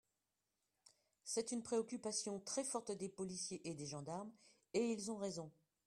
C’est une préoccupation très forte des policiers et des gendarmes, et ils ont raison.